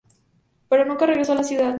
Pero nunca regresó a la ciudad.